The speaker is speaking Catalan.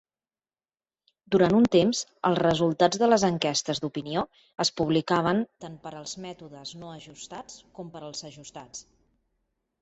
Durant un temps, els resultats de les enquestes d'opinió es publicaven tant per als mètodes no ajustats com per als ajustats.